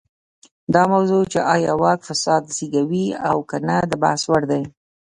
دا موضوع چې ایا واک فساد زېږوي او که نه د بحث وړ ده.